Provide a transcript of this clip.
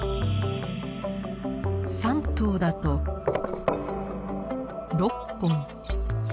３頭だと６本。